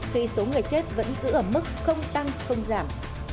thì số người chết vẫn giữ ở mức không tăng không giảm